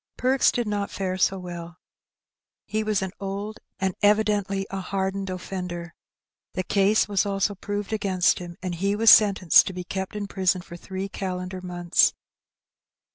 Perks did not fare so well. He was an old and evidently o 194 Her Benny. a hardened offender. The case was also proved against him^ and he was sentenced to be kept in prison for three calendar months.